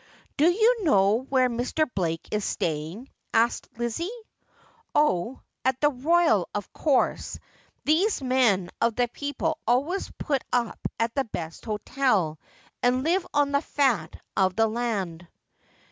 ' Do you know where Mr. Blake is staying ?' asked Lizzie. 316 Just as I Am. 'Oh, at the Royal, of course. These men. of the people always put up at the best hotel, and live on the fat of the land.'